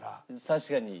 確かに。